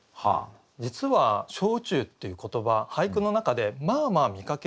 実は「小宇宙」っていう言葉俳句の中でまあまあ見かけるんですね。